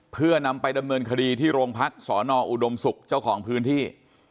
เพื่อนำไปดำเนินคดีที่โรงพักสอนออุดมศุกร์เจ้าของพื้นที่